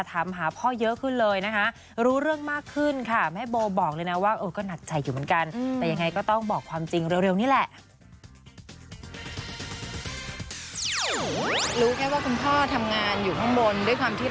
แต่ก็หลายคนก็บอกว่าจะปิดทำไมอะไรอย่างนี้